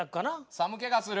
寒気がする。